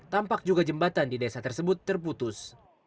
tampak juga jembatan di desa tersebut terputus